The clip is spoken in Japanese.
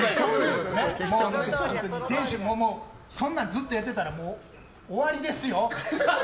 そんなんずっとやってたら終わりですよ。